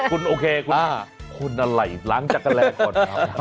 คุณโอเคคนอะไรล้างจักรแร้ก่อน